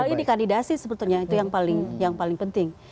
ini kandidasi sebetulnya itu yang paling penting